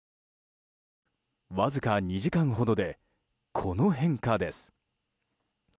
わずか２時間ほどでこの変化です。